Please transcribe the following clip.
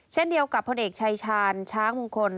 เช่นเดียวกับพลเอกชายชาญช้างมงคล